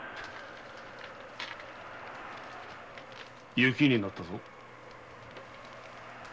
雪になったぞ。